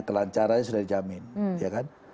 kelancarannya sudah dijamin ya kan